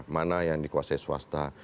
mana yang dikuasai swasta